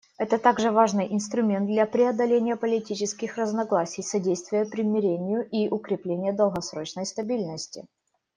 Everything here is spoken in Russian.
Это также важный инструмент для преодоления политических разногласий, содействия примирению и укрепления долгосрочной стабильности.